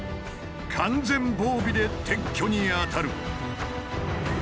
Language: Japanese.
完全防備で撤去に当たる。